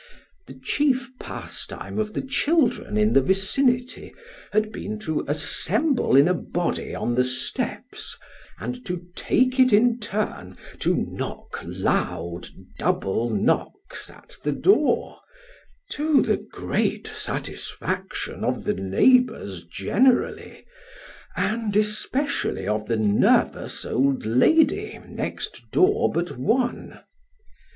The chief pastime of the children in the vicinity had been to assemble in a body on the steps, and to take it in turn to knock loud double knocks at the door, to the great satisfaction of the neighbours generally, and especially of the nervous old lady next door but one.